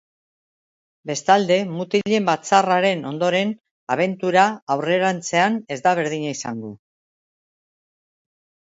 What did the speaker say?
Bestalde, mutilen batzarraren ondoren, abentura aurrerantzean ez da berdina izango.